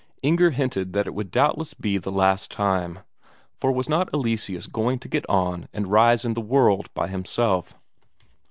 Inger hinted that it would doubtless be the last time; for was not Eleseus going to get on and rise in the world by himself?